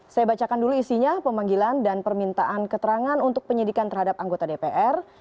saya bacakan dulu isinya pemanggilan dan permintaan keterangan untuk penyidikan terhadap anggota dpr